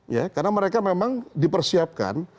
ya karena mereka memang dipersiapkan